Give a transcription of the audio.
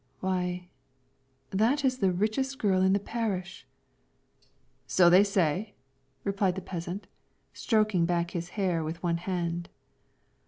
"Why, that is the richest girl in the parish." "So they say," replied the peasant, stroking back his hair with one hand.